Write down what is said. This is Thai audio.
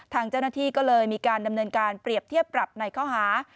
ทางเจ้าหน้าที่ก็เลยมีการดำเนินการเปรียบเทียบปรับในข้อหา